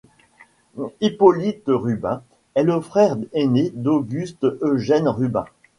Hippolyte Rubin est le frère aîné d’Auguste Eugène Rubin.